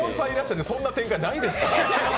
で、そんな展開ないですから。